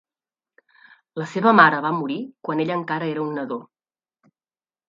La seva mare va morir quan ell encara era un nadó.